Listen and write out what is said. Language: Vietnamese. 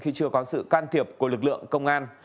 khi chưa có sự can thiệp của lực lượng công an